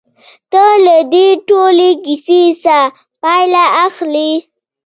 ته له دې ټولې کيسې څه پايله اخلې؟